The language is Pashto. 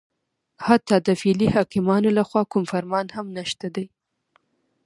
حتی د فعلي حاکمانو لخوا کوم فرمان هم نشته دی